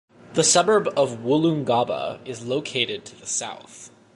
The suburb of Woolloongabba is located to the south.